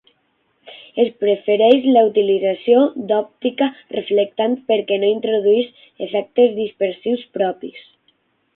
Es prefereix la utilització d'òptica reflectant perquè no introdueix efectes dispersius propis.